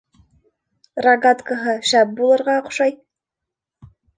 Рогаткаһы шәп булырға оҡшай.